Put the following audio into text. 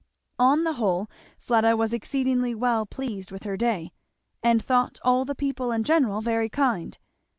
On the whole Fleda was exceedingly well pleased with her day, and thought all the people in general very kind.